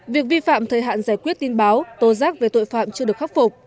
việc vi phạm thời hạn giải quyết tin báo tố giác về tội phạm chưa được khắc phục